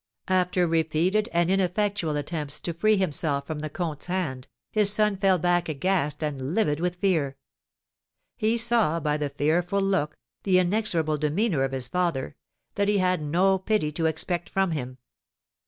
After repeated and ineffectual attempts to free himself from the comte's hand, his son fell back aghast and livid with fear. He saw by the fearful look, the inexorable demeanour of his father, that he had no pity to expect from him.